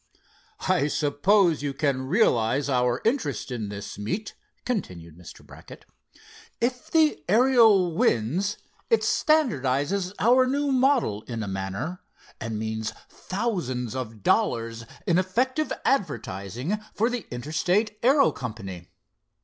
"I suppose you can realize our interest in this meet," continued Mr. Brackett. "If the Ariel wins, it standardizes our new model in a manner, and means thousands of dollars in effective advertising for the Interstate Aero Company."